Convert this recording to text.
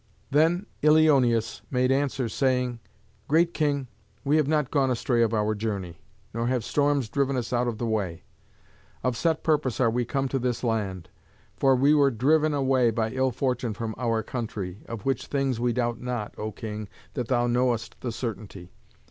Then Ilioneus made answer, saying, "Great King, we have not gone astray in our journey, nor have storms driven us out of the way. Of set purpose are we come to this land. For we were driven away by ill fortune from our country, of which things we doubt not, O King, that thou knowest the certainty.